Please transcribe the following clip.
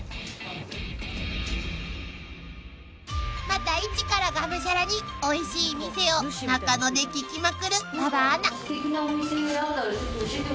［また一からがむしゃらにおいしい店を中野で聞きまくる馬場アナ］